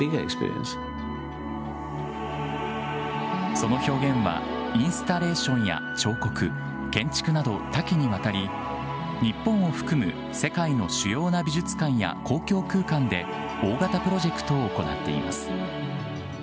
その表現はインスタレーションや彫刻、建築など多岐にわたり、日本を含む世界の主要な美術館や公共空間で大型プロジェクトを行っています。